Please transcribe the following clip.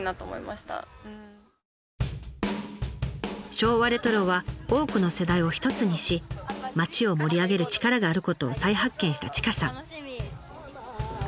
昭和レトロは多くの世代を一つにし町を盛り上げる力があることを再発見した千賀さん。